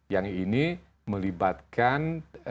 yang ini melibatkan